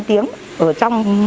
tám tiếng ở trong